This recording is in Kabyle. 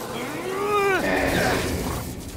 Aɛjel